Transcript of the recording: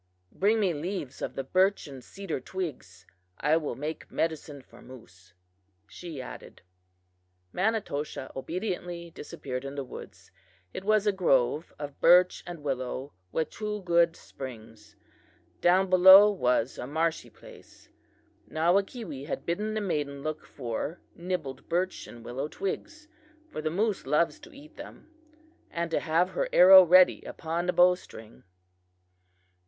Bring me leaves of the birch and cedar twigs; I will make medicine for moose,' she added. "Manitoshaw obediently disappeared in the woods. It was a grove of birch and willow, with two good springs. Down below was a marshy place. Nawakewee had bidden the maiden look for nibbled birch and willow twigs, for the moose loves to eat them, and to have her arrow ready upon the bow string.